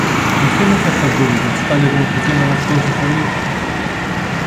Mais teño certas dúbidas, tal e como funcionan as cousas alí.